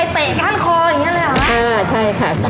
มวยไทยเตะกาลคออย่างงี้เลยเหรอ